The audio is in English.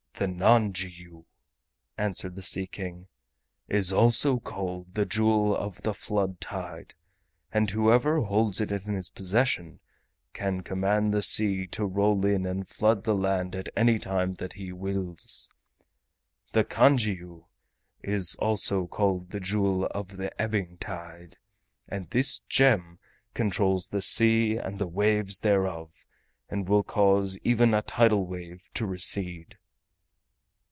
"The nanjiu," answered the Sea King, "is also called the Jewel of the Flood Tide, and whoever holds it in his possession can command the sea to roll in and to flood the land at any time that he wills. The kanjiu is also called the Jewel of the Ebbing Tide, and this gem controls the sea and the waves thereof, and will cause even a tidal wave to recede."